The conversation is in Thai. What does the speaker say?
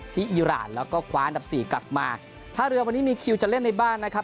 อีรานแล้วก็คว้าอันดับสี่กลับมาท่าเรือวันนี้มีคิวจะเล่นในบ้านนะครับ